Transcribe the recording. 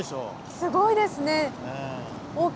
すごいですね。